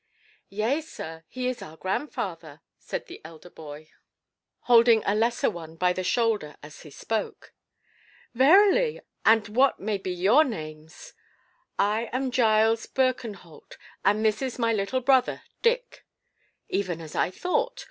"Yea, sir, he is our grandfather," said the elder boy, holding a lesser one by the shoulder as he spoke. "Verily! And what may be your names?" "I am Giles Birkenholt, and this is my little brother, Dick." "Even as I thought.